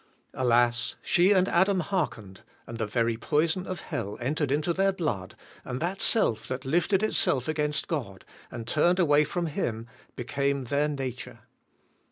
Alas, she and Adam barkened and the very poison of hell entered into their blood and that self that lifted itself against God, and turned away from Him, became their nature.